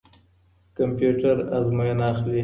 کمپيوټر آزموينه اخلي.